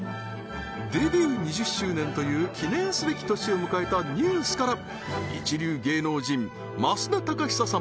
デビュー２０周年という記念すべき年を迎えたＮＥＷＳから一流芸能人増田貴久様